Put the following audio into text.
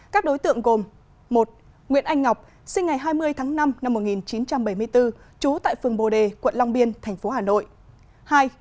các đối tượng gồm một nguyễn anh ngọc sinh ngày hai mươi tháng năm năm một nghìn chín trăm bảy mươi bốn trú tại phường bồ đề quận long biên tp hà nội